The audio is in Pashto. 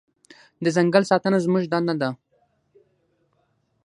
د ځنګل ساتنه زموږ دنده ده.